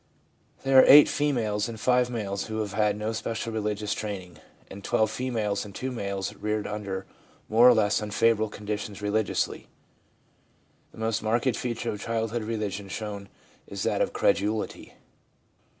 There are eight females and five males who have h^d THE RELIGION OF CHILDHOOD 189 no special religious training, and twelve females and two males reared under more or less unfavourable conditions religiously. The most marked feature of childhood religion shown is that of credulity.